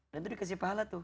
dan itu dikasih pahala tuh